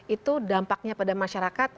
itu dampaknya pada masyarakat